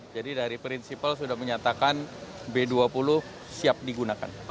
jadi dari prinsipal sudah menyatakan b dua puluh siap digunakan